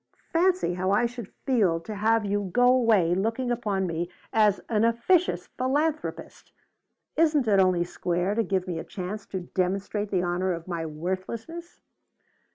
Fancy how I should feel to have you go away looking upon me as an officious philanthropist! Isn't it only square to give me a chance to demonstrate the honor of my worthlessness?"